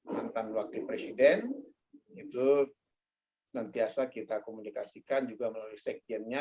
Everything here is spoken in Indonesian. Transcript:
mantan wakil presiden itu nantiasa kita komunikasikan juga melalui sekjennya